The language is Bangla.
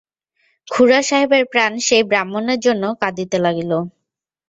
খুড়াসাহেবের প্রাণ সেই ব্রাহ্মণের জন্য কাঁদিতে লাগিল।